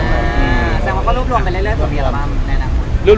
แสดงว่าก็ลูบรวมไปเรื่อยแล้วจะมีออกมาไหนนะ